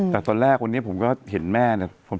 แต่ตอนแรกวันนี้ผมก็เห็นแม่เนี่ย